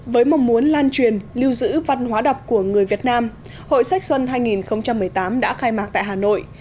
với mong muốn lan truyền lưu giữ văn hóa đọc của người việt nam hội sách xuân hai nghìn một mươi tám đã khai mạc tại hà nội